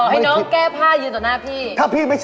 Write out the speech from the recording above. ต่อให้น้องแก้ผ้ายืนต่อหน้าพี่